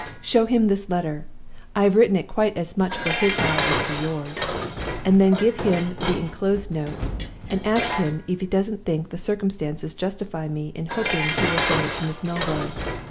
Show him this letter I have written it quite as much for his eye as for yours and then give him the inclosed note, and ask him if he doesn't think the circumstances justify me in hoping he will send it to Miss Milroy.